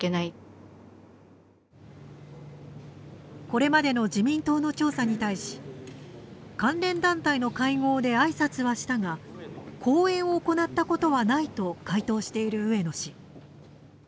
これまでの自民党の調査に対し関連団体の会合で挨拶はしたが講演を行ったことはないと回答している上野氏。